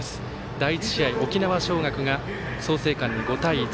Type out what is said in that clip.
第１試合、沖縄尚学が創成館に５対１。